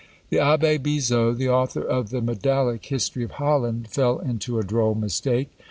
The Abbé Bizot, the author of the medallic history of Holland, fell into a droll mistake.